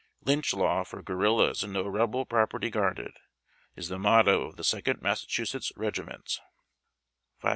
Lynch Law for Guerillas and No Rebel Property Guarded!^' IS THE MOTTO OF THE SECOND MASSACHUSETTS REGIMENT. »578.